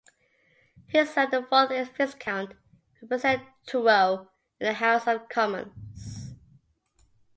His son, the fourth Viscount, represented Truro in the House of Commons.